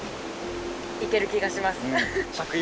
いける気がします。